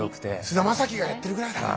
菅田将暉がやってるぐらいだから。